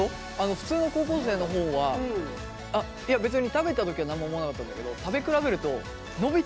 普通の高校生の方はあっいや別に食べた時は何も思わなかったんだけど食べ比べるとのびてる感じする。